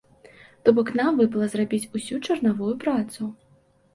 То бок, нам выпала зрабіць усю чарнавую працу.